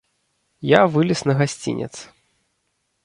Я вылез на гасцінец.